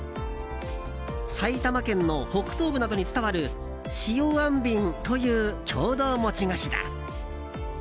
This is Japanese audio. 埼玉県の北東部などに伝わる塩あんびんという郷土餅菓子だ。